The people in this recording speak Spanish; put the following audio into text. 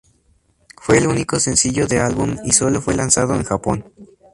Fue el único sencillo de álbum y solo fue lanzado en Japón.